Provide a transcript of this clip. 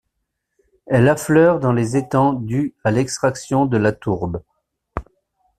Elle affleure dans les étangs dus à l'extraction de la tourbe.